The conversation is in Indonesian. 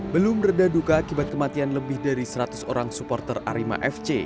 belum reda duka akibat kematian lebih dari seratus orang supporter arema fc